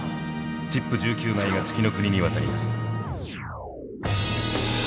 チップ１９枚が月ノ国に渡ります。